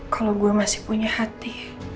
kalau gue masih punya hati